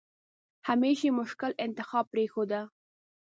همېش یې مشکل انتخاب پرېښوده.